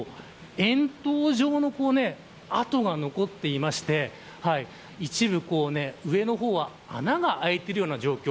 円筒状の跡が残っていまして一部、上の方は穴が空いているような状況。